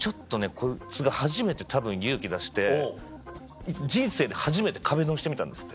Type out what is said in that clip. こいつが初めてたぶん勇気出して人生で初めて壁ドンしてみたんですって。